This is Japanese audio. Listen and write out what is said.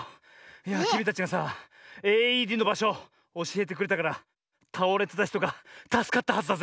いやきみたちがさＡＥＤのばしょおしえてくれたからたおれてたひとがたすかったはずだぜ。